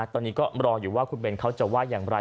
ตอนนี้ก็รออยู่ว่าคุณเบนเขาจะว่าอย่างไร